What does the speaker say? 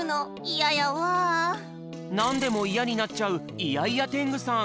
なんでもイヤになっちゃうイヤイヤテングさん。